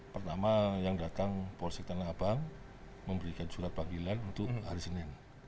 pertama yang datang polsek tanah abang memberikan surat panggilan untuk hari senin